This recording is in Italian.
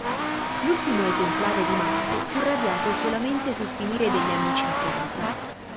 L'ultimo esemplare rimasto fu radiato solamente sul finire degli anni cinquanta.